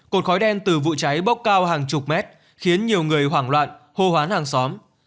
cột khói đen từ vụ cháy bốc cao hàng chục mét khiến nhiều người hoảng loạn hô hoán hàng xóm